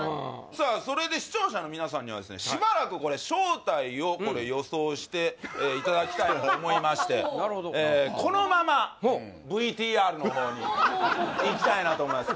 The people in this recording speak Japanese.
それで視聴者の皆さんにはですねしばらく正体を予想していただきたいと思いましてこのままＶＴＲのほうにいきたいなと思います